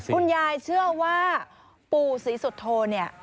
คุณยายเชื่อว่าปู่สีสุทโทเนี่ย